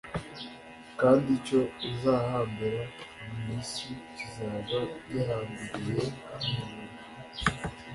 kandi icyo uzahambira mu isi kizaba gihambiriwe mu ijuru: